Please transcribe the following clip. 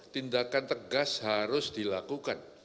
tindakan tegas harus dilakukan